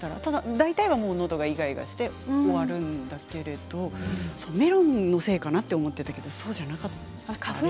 大体は、のどがいがいがして終わるんだけれどメロンのせいかなと思っていたけれどそうじゃなかったんですね。